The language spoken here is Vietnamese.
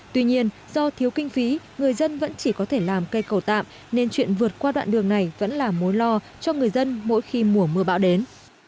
tuy nhiên do thiếu kinh phí người dân vẫn chỉ có thể làm cây cầu tạm nên chuyện vượt qua đoạn đường này vẫn là mối lo cho người dân mỗi khi mùa mưa bão đến